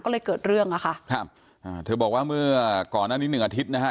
ก็เลยเกิดเรื่องอ่ะค่ะครับอ่าเธอบอกว่าเมื่อก่อนหน้านี้หนึ่งอาทิตย์นะฮะ